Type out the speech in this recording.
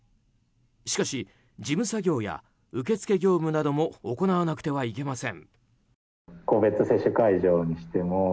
しかし事務作業や受付業務なども行わなくてはいけません。